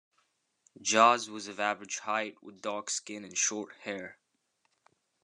Jaz was of average height, with dark skin and short hair